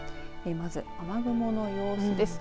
まず、雨雲の様子です。